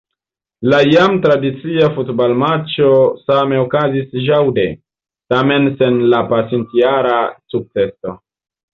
La jam tradicia futbalmaĉo same okazis ĵaŭde, tamen sen la pasintjara sukceso.